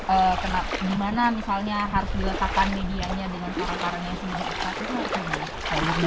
bagaimana misalnya harus diletakkan medianya dengan cara karanya yang sempurna